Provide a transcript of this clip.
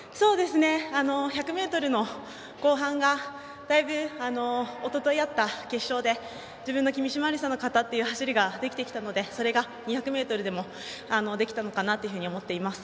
１００ｍの後半がおとといあった決勝で自分の君嶋愛梨沙の型の走りができていたのでそれが２００ｍでもできたのかなと思っています。